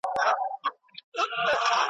چي مي خپل وي جوماتونه خپل ملا خپل یې وعظونه .